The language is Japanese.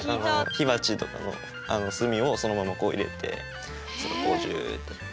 火鉢とかの炭をそのままこう入れてそれでこうジューッとやって。